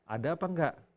ada apa enggak